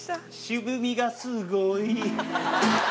渋みがすごい。